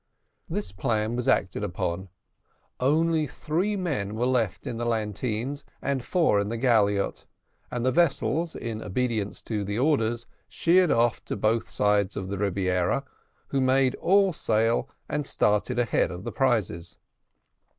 This plan was acted upon; only three men were left in the lateens, and four in the galliot, and the vessels, in obedience to the orders, sheered off on both sides of the Rebiera, who made all sail and started ahead of the prizes.